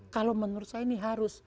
kalau menurut saya ini harus